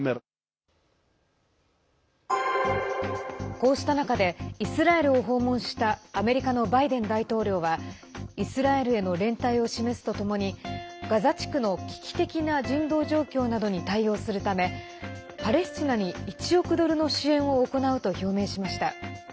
こうした中でイスラエルを訪問したアメリカのバイデン大統領はイスラエルへの連帯を示すとともにガザ地区の危機的な人道状況などに対応するためパレスチナに１億ドルの支援を行うと表明しました。